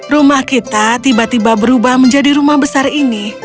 rumah kita tiba tiba berubah menjadi rumah besar ini